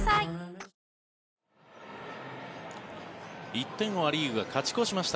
１点をア・リーグが勝ち越しました。